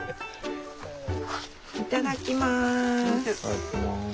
いただきます。